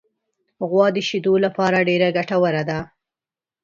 غوا د شیدو لپاره ډېره ګټوره ده.